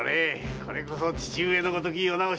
これこそ義父上のごとき世直しじゃ！